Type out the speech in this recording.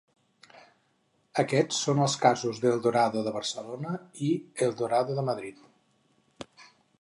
Aquests són els casos d'Eldorado de Barcelona i Eldorado de Madrid.